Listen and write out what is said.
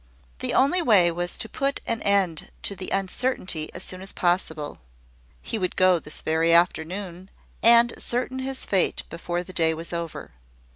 The only way was to put an end to the uncertainty as soon as possible. He would go this very afternoon, and ascertain his fate before the day was over.